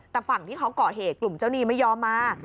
แต่ฝั่งที่เขาก่อเหตุกลุ่มเจ้าหนี้ไม่ยอมมา